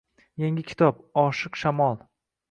Yangi kitob: “Oshiq shamol”